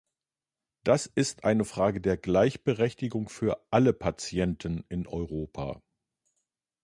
Das ist eine Frage der Gleichberechtigung für alle Patienten in Europa.